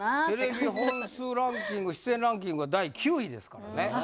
テレビ本数ランキング出演ランキングが第９位ですからね。